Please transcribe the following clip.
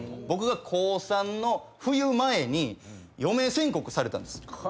僕が高３の冬前に余命宣告されたんです。